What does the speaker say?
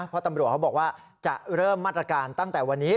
เพราะตำรวจเขาบอกว่าจะเริ่มมาตรการตั้งแต่วันนี้